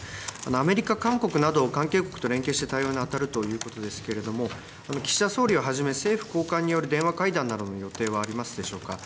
アメリカ、韓国など、関係国と連携して対応に当たるということですけれども、岸田総理をはじめ政府高官による電話会談などの予定はありますでしょうか。